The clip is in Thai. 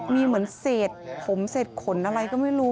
มีเหมือนเศษผมเศษขนอะไรก็ไม่รู้